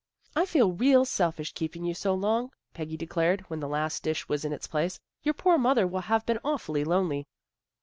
" I feel real selfish keeping you so long," Peggy declared, when the last dish was in its place. " Your poor mother will have been aw fully lonely."